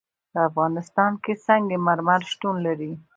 په افغانستان کې سنگ مرمر شتون لري.